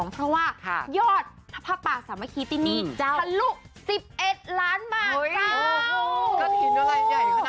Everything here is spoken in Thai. พระป่าสามกีที่นี่ทัลุ๑๑ล้านบาท